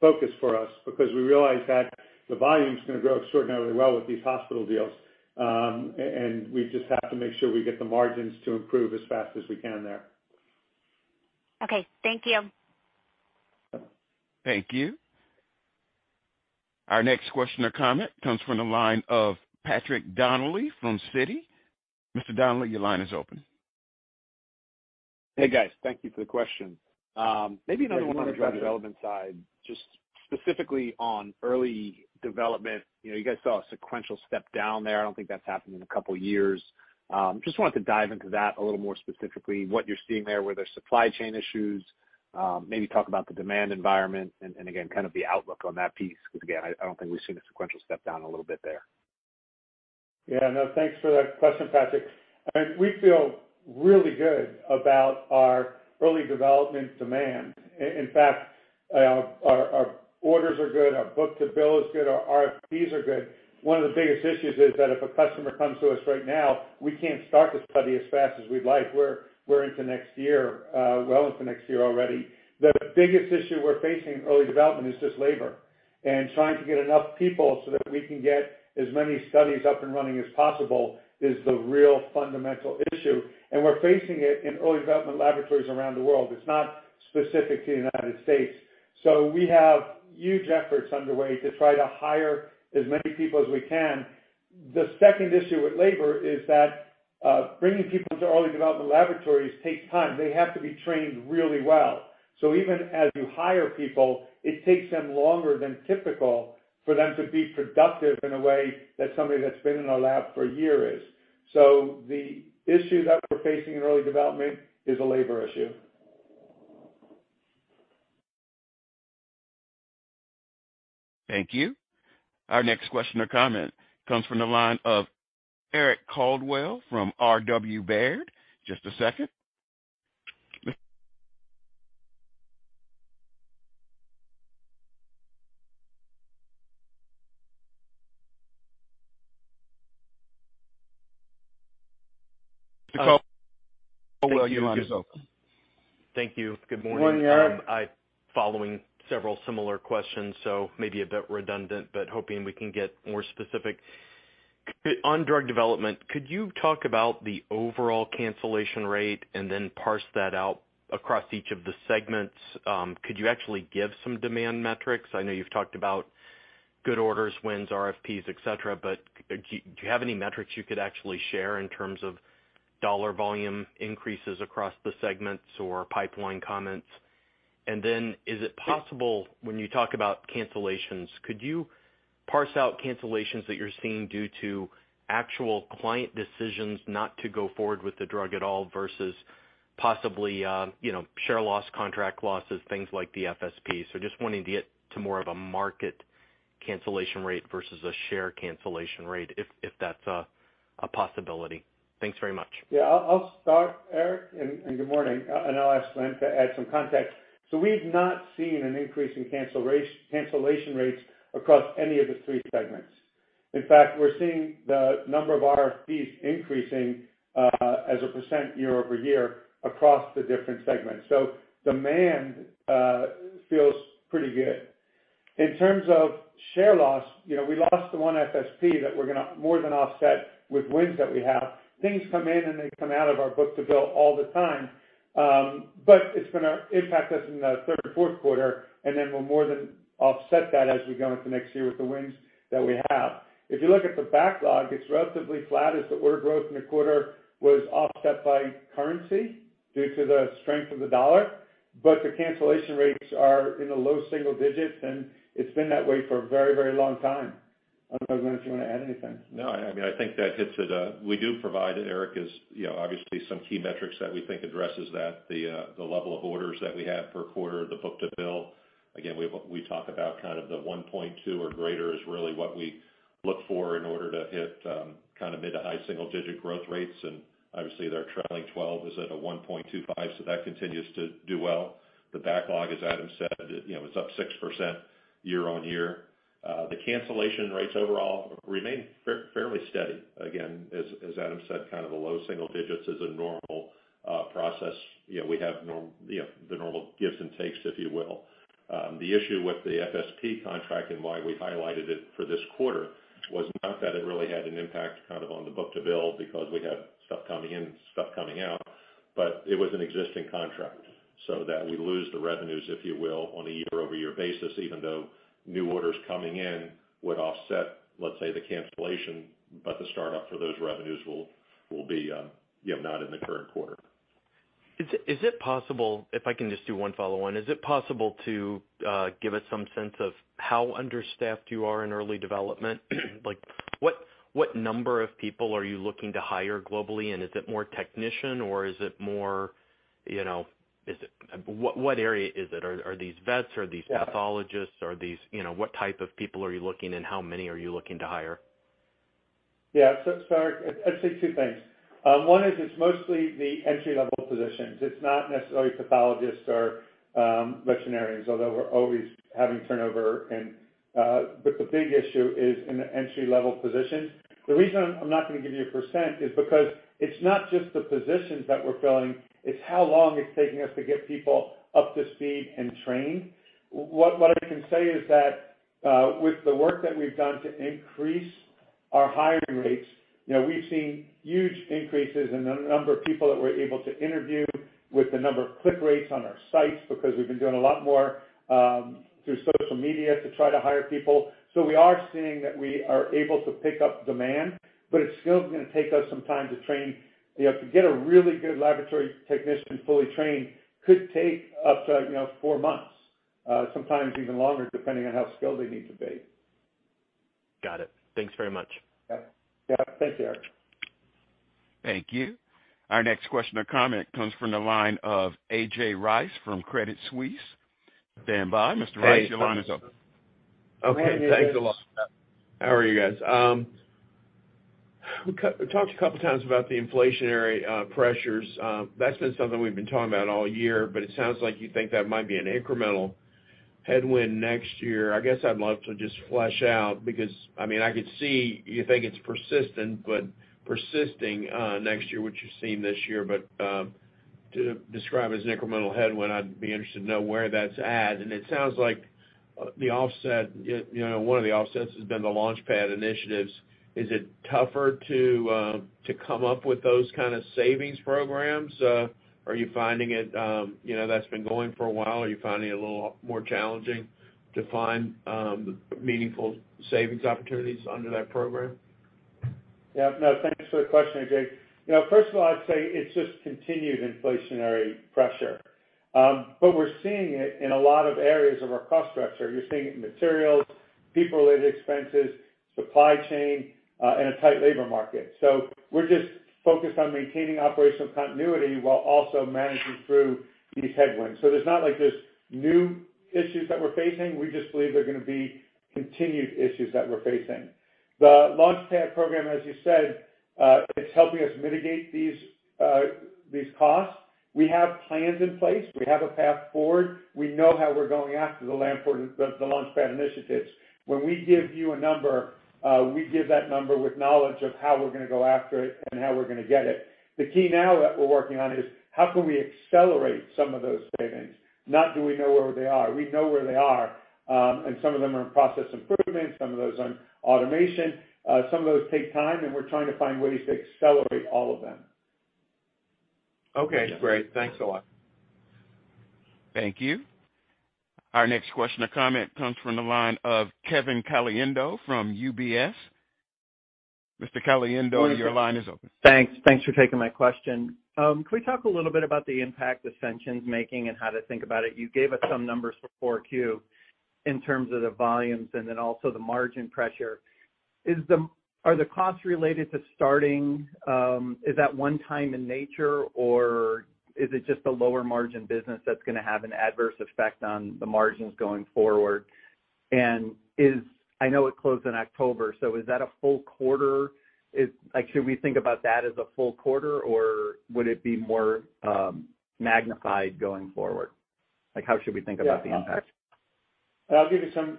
focus for us because we realize that the volume's gonna grow extraordinarily well with these hospital deals, and we just have to make sure we get the margins to improve as fast as we can there. Okay, thank you. Thank you. Our next question or comment comes from the line of Patrick Donnelly from Citi. Mr. Donnelly, your line is open. Hey, guys. Thank you for the question. Maybe another one on the drug development side, just specifically on early development. You know, you guys saw a sequential step down there. I don't think that's happened in a couple years. Just wanted to dive into that a little more specifically, what you're seeing there. Were there supply chain issues? Maybe talk about the demand environment and again, kind of the outlook on that piece because again, I don't think we've seen a sequential step down a little bit there. Yeah, no thanks for that question, Patrick. I mean we feel really good about our early development demand. In fact, our orders are good, our book to bill is good, our RFPs are good. One of the biggest issues is that if a customer comes to us right now, we can't start the study as fast as we'd like. We're into next year, well into next year already. The biggest issue we're facing in early development is just labor, and trying to get enough people so that we can get as many studies up and running as possible is the real fundamental issue. We're facing it in early development laboratories around the world. It's not specific to the United States. We have huge efforts underway to try to hire as many people as we can. The second issue with labor is that, bringing people into early development laboratories takes time. They have to be trained really well. Even as you hire people, it takes them longer than typical for them to be productive in a way that somebody that's been in our lab for a year is. The issue that we're facing in early development is a labor issue. Thank you. Our next question or comment comes from the line of Eric Coldwell from RW Baird. Just a second. Mr. Coldwell, your line is open. Thank you. Good morning. Good morning, Eric. Following several similar questions, so maybe a bit redundant but hoping we can get more specific. On drug development, could you talk about the overall cancellation rate and then parse that out across each of the segments? Could you actually give some demand metrics? I know you've talked about good orders, wins, RFPs, etc., but do you have any metrics you could actually share in terms of dollar volume increases across the segments or pipeline comments? Then is it possible when you talk about cancellations, could you parse out cancellations that you're seeing due to actual client decisions not to go forward with the drug at all versus possibly, you know, share loss, contract losses, things like the FSP? Just wanting to get to more of a market cancellation rate versus a share cancellation rate if that's a possibility. Thanks very much. I'll start, Eric, and good morning. I'll ask Glenn to add some context. We've not seen an increase in cancellation rates across any of the three segments. In fact, we're seeing the number of RFPs increasing as a percent year-over-year across the different segments. Demand feels pretty good. In terms of share loss, you know, we lost the one FSP that we're gonna more than offset with wins that we have. Things come in and they come out of our book-to-bill all the time. It's gonna impact us in the third and fourth quarter, and then we'll more than offset that as we go into next year with the wins that we have. If you look at the backlog, it's relatively flat as the order growth in the quarter was offset by currency due to the strength of the dollar. The cancellation rates are in the low single digits, and it's been that way for a very, very long time. I don't know, Glenn, if you wanna add anything. No, I mean, I think that hits it. We do provide, and Eric is, you know, obviously some key metrics that we think addresses that. The level of orders that we have per quarter, the book-to-bill. Again, we talk about kind of the 1.2 or greater is really what we look for in order to hit kinda mid-to-high single digit growth rates. Obviously, their trailing twelve is at a 1.25, so that continues to do well. The backlog, as Adam said, you know, is up 6% year-over-year. The cancellation rates overall remain fairly steady. Again as Adam said, kind of the low single digits is a normal process. You know, we have you know, the normal gives and takes if you will. The issue with the FSP contract and why we highlighted it for this quarter was not that it really had an impact kind of on the book-to-bill because we have stuff coming in stuff coming out but it was an existing contract so that we lose the revenues, if you will, on a year-over-year basis, even though new orders coming in would offset let's say the cancellation, but the startup for those revenues will be you know not in the current quarter. If I can just do one follow on. Is it possible to give us some sense of how understaffed you are in early development? Like, what number of people are you looking to hire globally, and is it more technician or is it more you know what area is it? Are these vets? Are these pathologists? Are these you know what type of people are you looking and how many are you looking to hire? Yeah. Eric, I'd say two things. One is it's mostly the entry-level positions. It's not necessarily pathologists or veterinarians, although we're always having turnover, but the big issue is in the entry-level positions. The reason I'm not gonna give you a percent is because it's not just the positions that we're filling, it's how long it's taking us to get people up to speed and trained. What I can say is that with the work that we've done to increase our hiring rates you know we've seen huge increases in the number of people that we're able to interview with the number of click rates on our sites because we've been doing a lot more through social media to try to hire people. We are seeing that we are able to pick up demand but it's still gonna take us some time to train. You know, to get a really good laboratory technician fully trained could take up to you know, four months, sometimes even longer, depending on how skilled they need to be. Got it. Thanks very much. Yeah. Thanks, Eric. Thank you. Our next question or comment comes from the line of A.J. Rice from Credit Suisse. Stand by. Mr. Rice, your line is open. Okay. Thanks a lot. How are you guys? We talked a couple of times about the inflationary pressures. That's been something we've been talking about all year, but it sounds like you think that might be an incremental headwind next year. I guess I'd love to just flesh out because, I mean, I could see you think it's persistent, but persisting next year what you're seeing this year. To describe as an incremental headwind, I'd be interested to know where that's at. It sounds like the offset, you know one of the offsets has been the LaunchPad initiatives. Is it tougher to come up with those kinda savings programs? Are you finding it, you know that's been going for a while. Are you finding it a little more challenging to find meaningful savings opportunities under that program? Yeah. No, thanks for the question, A.J. You know, first of all, I'd say it's just continued inflationary pressure. But we're seeing it in a lot of areas of our cost structure. You're seeing it in materials, people-related expenses, supply chain, and a tight labor market. We're just focused on maintaining operational continuity while also managing through these headwinds. There's not like this new issues that we're facing, we just believe they're gonna be continued issues that we're facing. The LaunchPad program, as you said, is helping us mitigate these costs. We have plans in place. We have a path forward. We know how we're going after the LaunchPad initiatives. When we give you a number, we give that number with knowledge of how we're gonna go after it and how we're gonna get it. The key now that we're working on is how can we accelerate some of those savings, not do we know where they are. We know where they are, and some of them are in process improvements, some of those are in automation. Some of those take time, and we're trying to find ways to accelerate all of them. Okay, great. Thanks a lot. Thank you. Our next question or comment comes from the line of Kevin Caliendo from UBS. Mr. Caliendo, your line is open. Thanks. Thanks for taking my question. Can we talk a little bit about the impact Ascension's making and how to think about it? You gave us some numbers for Q4 in terms of the volumes and then also the margin pressure. Are the costs related to starting, is that one time in nature, or is it just a lower margin business that's gonna have an adverse effect on the margins going forward? I know it closed in October, so is that a full quarter? Like, should we think about that as a full quarter, or would it be more magnified going forward? Like, how should we think about the impact? Yeah. I'll give you some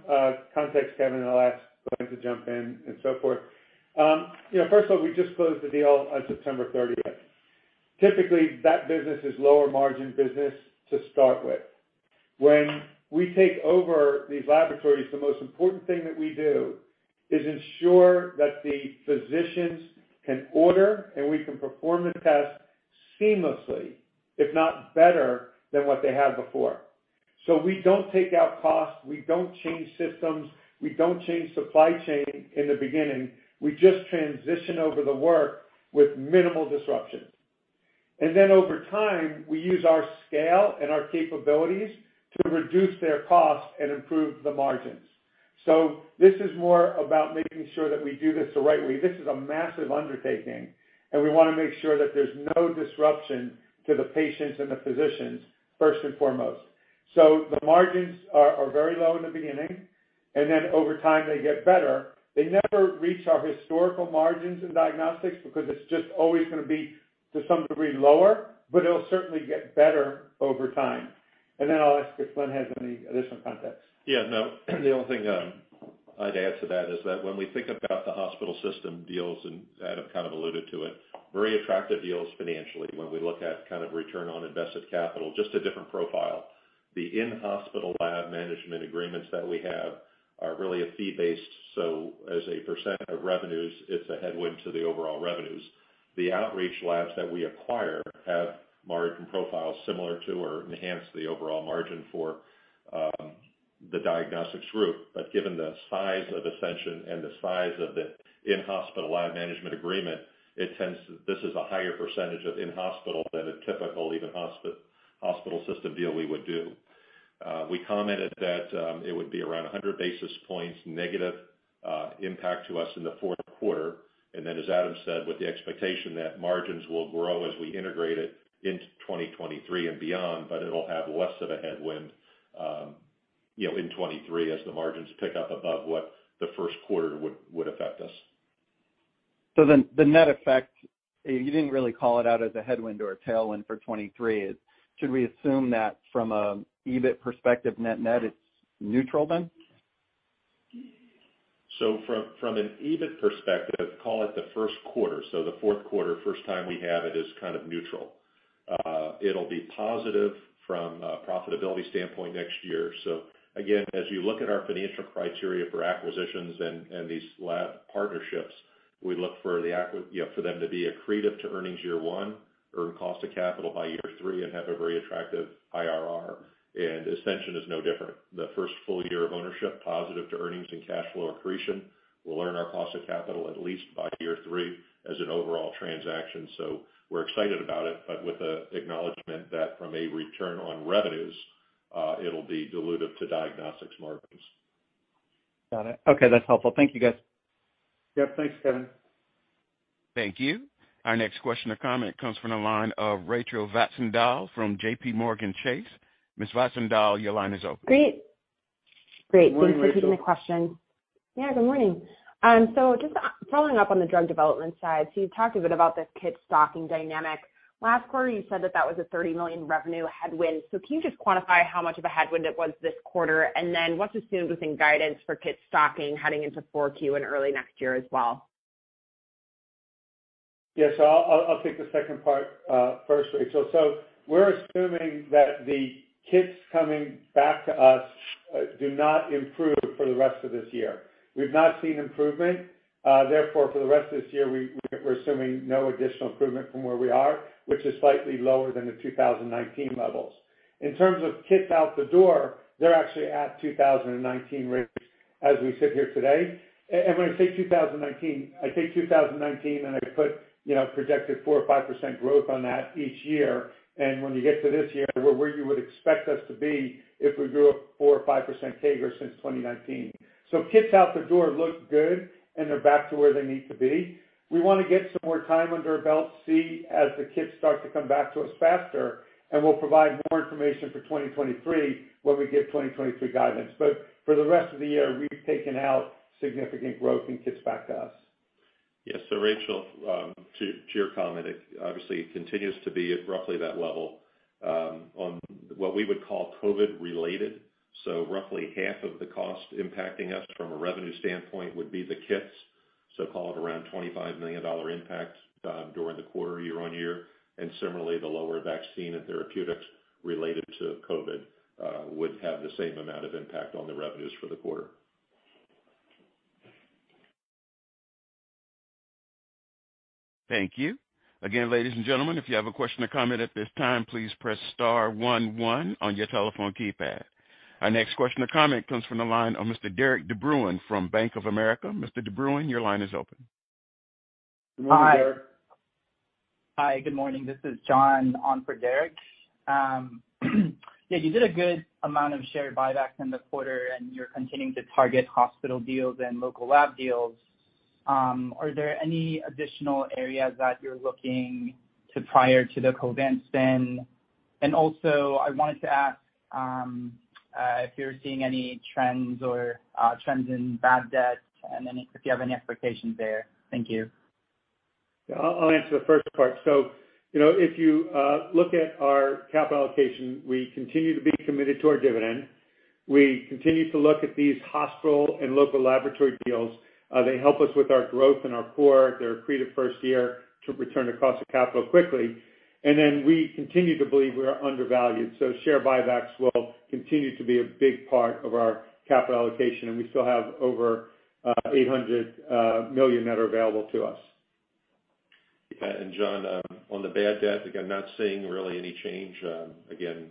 context, Kevin, and I'll ask Glenn to jump in and so forth. You know, first of all, we just closed the deal on September thirtieth. Typically, that business is lower margin business to start with. When we take over these laboratories, the most important thing that we do is ensure that the physicians can order and we can perform the test seamlessly, if not better than what they had before. We don't take out costs, we don't change systems, we don't change supply chain in the beginning. We just transition over the work with minimal disruption. And then over time, we use our scale and our capabilities to reduce their costs and improve the margins. This is more about making sure that we do this the right way. This is a massive undertaking, and we wanna make sure that there's no disruption to the patients and the physicians first and foremost. The margins are very low in the beginning, and then over time, they get better. They never reach our historical margins in diagnostics because it's just always gonna be to some degree lower, but it'll certainly get better over time. I'll ask if Glenn has any additional context. Yeah, no. The only thing I'd add to that is that when we think about the hospital system deals, and Adam kind of alluded to it, very attractive deals financially when we look at kind of return on invested capital, just a different profile. The in-hospital lab management agreements that we have are really a fee-based, so as a percent of revenues, it's a headwind to the overall revenues. The outreach labs that we acquire have margin profiles similar to or enhance the overall margin for the diagnostics group. But given the size of Ascension and the size of the in-hospital lab management agreement, it tends to. This is a higher percentage of in-hospital than a typical even hospital system deal we would do. We commented that it would be around 100 basis points negative impact to us in the fourth quarter. As Adam said, with the expectation that margins will grow as we integrate it into 2023 and beyond, but it'll have less of a headwind, you know, in 2023 as the margins pick up above what the first quarter would affect us. The net effect, you didn't really call it out as a headwind or a tailwind for 2023. Should we assume that from a EBITDA perspective net-net it's neutral then? From an EBITDA perspective, call it the first quarter. The fourth quarter, first time we have it is kind of neutral. It'll be positive from a profitability standpoint next year. Again, as you look at our financial criteria for acquisitions and these lab partnerships, we look for you know for them to be accretive to earnings year one, earn cost of capital by year three, and have a very attractive IRR. Ascension is no different. The first full year of ownership, positive to earnings and cash flow accretion, we'll earn our cost of capital at least by year three as an overall transaction. We're excited about it, but with the acknowledgement that from a return on revenues, it'll be dilutive to diagnostics margins. Got it. Okay, that's helpful. Thank you, guys. Yep. Thanks, Kevin. Thank you. Our next question or comment comes from the line of Rachel Vatnsdal from J.P. Morgan Chase. Ms. Vatnsdal, your line is open. Great. Great. Good morning, Rachel. Thanks for taking the question. Yeah, good morning. Just following up on the drug development side. You've talked a bit about the kit stocking dynamic. Last quarter, you said that was a $30 million revenue headwind. Can you just quantify how much of a headwind it was this quarter? And then what's assumed within guidance for kit stocking heading into 4Q and early next year as well? Yes. I'll take the second part first, Rachel. We're assuming that the kits coming back to us do not improve for the rest of this year. We've not seen improvement, therefore, for the rest of this year, we're assuming no additional improvement from where we are, which is slightly lower than the 2019 levels. In terms of kits out the door, they're actually at 2019 rates as we sit here today. When I say 2019, I take 2019, and I put, you know, projected 4% or 5% growth on that each year. When you get to this year, we're where you would expect us to be if we grew a 4% or 5% CAGR since 2019. Kits out the door look good, and they're back to where they need to be. We wanna get some more time under our belt, see as the kits start to come back to us faster, and we'll provide more information for 2023 when we give 2023 guidance. For the rest of the year, we've taken out significant growth in kits back to us. Yes. Rachel, to your comment, it obviously continues to be at roughly that level on what we would call COVID-related. Roughly half of the cost impacting us from a revenue standpoint would be the kits, so call it around $25 million impact during the quarter year-over-year. Similarly, the lower vaccine and therapeutics related to COVID would have the same amount of impact on the revenues for the quarter. Thank you. Again, ladies and gentlemen, if you have a question or comment at this time, please press star one one on your telephone keypad. Our next question or comment comes from the line of Mr. Derik de Bruin from Bank of America. Mr. de Bruin, your line is open. Good morning, Derik. Hi, good morning. This is John Treadwell on for Derik de Bruin. You did a good amount of share buybacks in the quarter, and you're continuing to target hospital deals and local lab deals. Are there any additional areas that you're looking to prior to the Covance spin? Also I wanted to ask if you're seeing any trends in bad debt and then if you have any expectations there. Thank you. Yeah, I'll answer the first part. So, you know, if you look at our capital allocation, we continue to be committed to our dividend. We continue to look at these hospital and local laboratory deals. They help us with our growth and our core. They're accretive first year to return the cost of capital quickly. We continue to believe we are undervalued, so share buybacks will continue to be a big part of our capital allocation, and we still have over $800 million that are available to us. Yeah. John, on the bad debt, again, not seeing really any change. Again,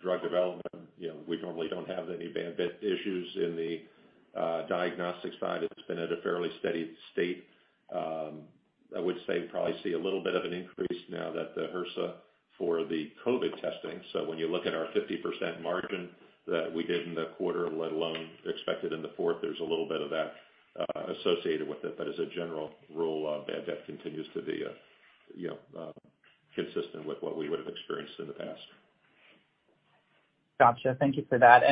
drug development, you know, we normally don't have any bad debt issues in the diagnostics side. It's been at a fairly steady state. I would say probably see a little bit of an increase now that the HRSA for the COVID testing. So when you look at our 50% margin that we did in the quarter, let alone expected in the fourth there's a little bit of that associated with it. But as a general rule, bad debt continues to be you know consistent with what we would've experienced in the past. Gotcha. Thank you for that.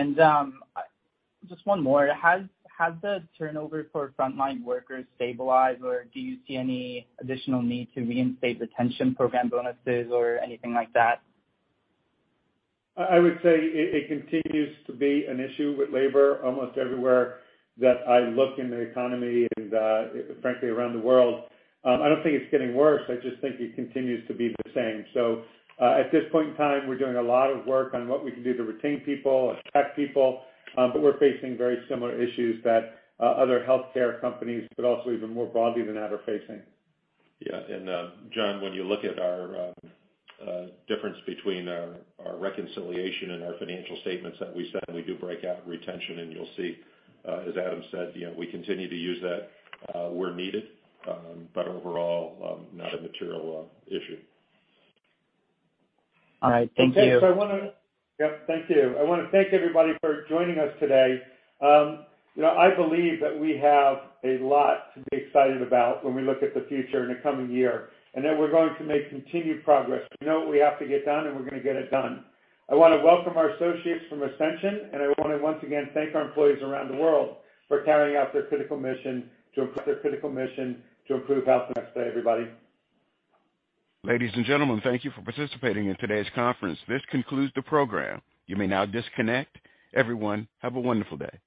Just one more. Has the turnover for frontline workers stabilized, or do you see any additional need to reinstate retention program bonuses or anything like that? I would say it continues to be an issue with labor almost everywhere that I look in the economy and, frankly, around the world. I don't think it's getting worse, I just think it continues to be the same. At this point in time, we're doing a lot of work on what we can do to retain people attract people but we're facing very similar issues that other healthcare companies, but also even more broadly than that, are facing. Yeah. John, when you look at our difference between our reconciliation and our financial statements that we send, we do break out retention. You'll see, as Adam said, you know we continue to use that where needed, but overall not a material issue. All right. Thank you. Thank you. I wanna thank everybody for joining us today. You know, I believe that we have a lot to be excited about when we look at the future in the coming year, and that we're going to make continued progress. We know what we have to get done, and we're gonna get it done. I wanna welcome our associates from Ascension, and I wanna once again thank our employees around the world for carrying out their critical mission to improve health. Have a nice day, everybody. Ladies and gentlemen, thank you for participating in today's conference. This concludes the program. You may now disconnect. Everyone, have a wonderful day.